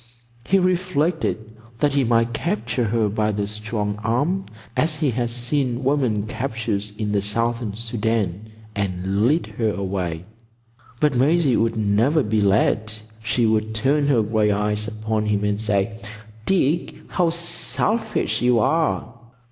He reflected that he might capture her by the strong arm, as he had seem women captured in the Southern Soudan, and lead her away; but Maisie would never be led. She would turn her gray eyes upon him and say, "Dick, how selfish you are!"